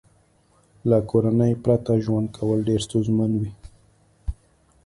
له کورنۍ پرته ژوند کول ډېر ستونزمن وي